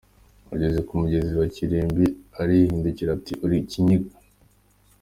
Ageze ku mugezi wa Kirimbi, arahindukira ati ‘Uri kinyaga’.